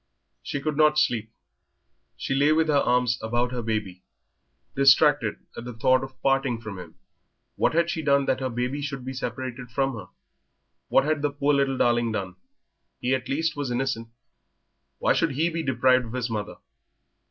She could not sleep; she lay with her arms about her baby, distracted at the thought of parting from him. What had she done that her baby should be separated from her? What had the poor little darling done? He at least was innocent; why should he be deprived of his mother?